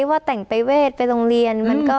ว่าแต่งไปเวทไปโรงเรียน